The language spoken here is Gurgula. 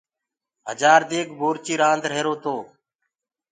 هجآر ديگ بورچي رآند هيرو تو